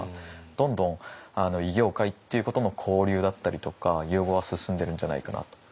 どんどん異業界っていうことの交流だったりとか融合は進んでるんじゃないかなと。